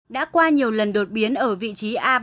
đã qua nhiều lần đột biến ở vị trí a ba trăm chín mươi ba